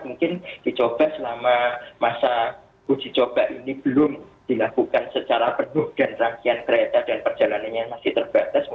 mungkin dicoba selama masa uji coba ini belum dilakukan secara penuh dan rangkaian kereta dan perjalanannya masih terbatas